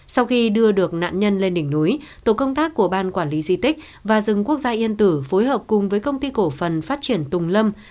sau khi đưa được nạn nhân lên đỉnh núi tổ công tác của ban quản lý di tích và rừng quốc gia yên tử phối hợp cùng với công ty cổ phần phát triển tùng lâm